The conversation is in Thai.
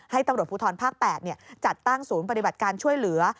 ตำรวจภูทรภาค๘จัดตั้งศูนย์ปฏิบัติการช่วยเหลือ